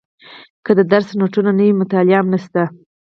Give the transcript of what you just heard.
که د درس نوټونه نه وي مطالعه هم نشته.